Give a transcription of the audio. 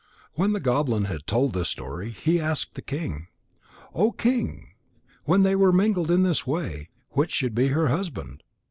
When the goblin had told this story, he asked the king: "O King, when they were mingled in this way, which should be her husband?